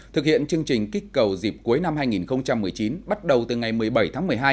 thực hiện chương trình kích cầu dịp cuối năm hai nghìn một mươi chín bắt đầu từ ngày một mươi bảy tháng một mươi hai